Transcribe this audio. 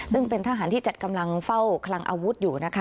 ซึ่งเป็นทหารที่จัดกำลังเฝ้าคลังอาวุธอยู่นะคะ